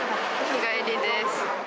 日帰りです。